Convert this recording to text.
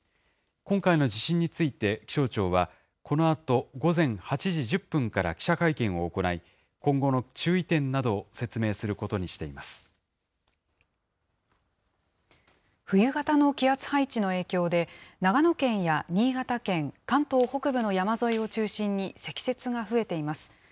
今回の地震について気象庁は、このあと午前８時１０分から記者会見を行い、今後の注意点などを冬型の気圧配置の影響で、長野県や新潟県、関東北部の山沿いを中心に積雪が増えています。